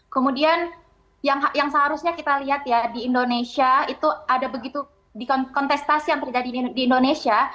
kemudian yang seharusnya kita lihat ya di indonesia itu ada begitu di kontestasi yang terjadi di indonesia